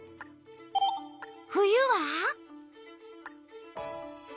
冬は？